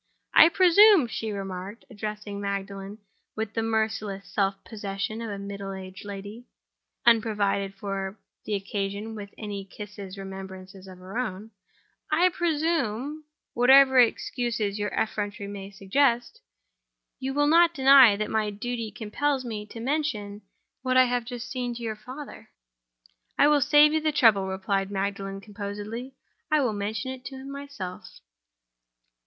"I presume," she remarked, addressing Magdalen with the merciless self possession of a middle aged lady, unprovided for the occasion with any kissing remembrances of her own—"I presume (whatever excuses your effrontery may suggest) you will not deny that my duty compels me to mention what I have just seen to your father?" "I will save you the trouble," replied Magdalen, composedly. "I will mention it to him myself."